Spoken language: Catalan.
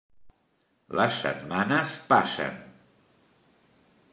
Les setmanes passen.